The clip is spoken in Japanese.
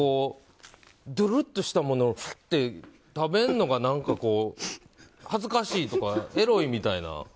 どぅるっとしたものをひゅって食べるのが何かこう、恥ずかしいとかエロいみたいな。